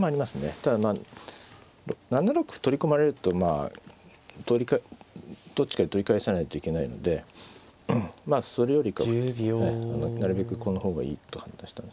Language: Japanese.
ただまあ７六歩取り込まれるとまあどっちかで取り返さないといけないのでまあそれよりかなるべくこの方がいいと判断したんですね。